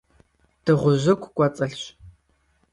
Дыгъужьыгу кӀуэцӀылъщ.